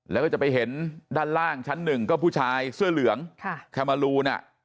แล้วก็จะไปเห็นด้านล่างชั้นหนึ่งก็ผู้ชายเสื้อเหลืองแคมาลูน